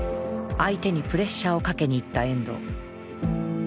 相手にプレッシャーをかけに行った遠藤。